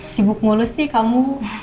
sibuk mulu sih kamu